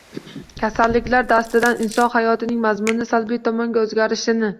Kasalliklar dastidan insonlar hayotining mazmuni salbiy tomonga o‘zgarishini